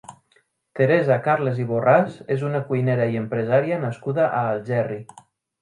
Teresa Carles i Borràs és una cuinera i empresària nascuda a Algerri.